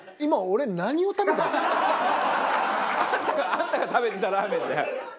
あなたが食べてたラーメンだよ！